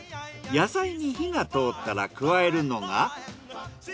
野菜に火が通ったら加えるのが。